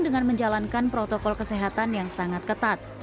dengan menjalankan protokol kesehatan yang sangat ketat